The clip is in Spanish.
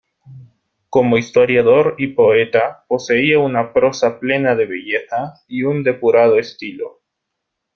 Como historiador y poeta, poseía una prosa plena de belleza y un depurado estilo.